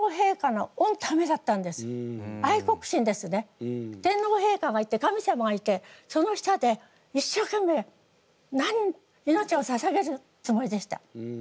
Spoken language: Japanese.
だから天皇陛下がいて神様がいてその下で一生懸命命をささげるつもりでした。